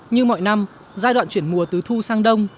như mọi năm giai đoạn chuyển mùa từ thu sang đông